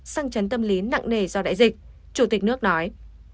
sang chấn tâm lý nặng nề do đại dịch chủ tịch nước nói